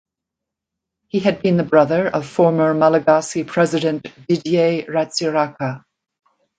He had been the brother of former Malagasy President Didier Ratsiraka.